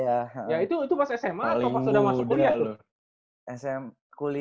ya itu pas sma atau pas udah masuk kuliah